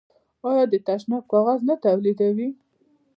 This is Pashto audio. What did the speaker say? آیا د تشناب کاغذ نه تولیدوي؟